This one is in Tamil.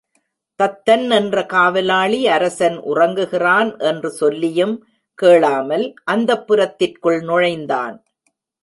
தத்தன் என்ற காவலாளி அரசன் உறங்குகிறான் என்று சொல்லியும் கேளாமல் அந்தப்புரத்திற்குள் நுழைந்தான்.